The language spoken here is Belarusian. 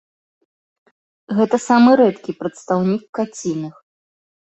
Гэта самы рэдкі прадстаўнік каціных.